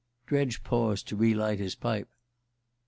Dredge paused to re light his pipe.